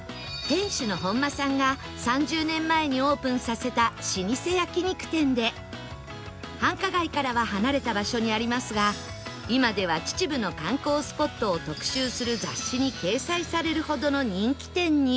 店主の本間さんが３０年前にオープンさせた老舗焼肉店で繁華街からは離れた場所にありますが今では秩父の観光スポットを特集する雑誌に掲載されるほどの人気店に